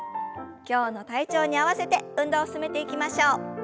今日の体調に合わせて運動を進めていきましょう。